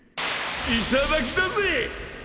いただきだぜ！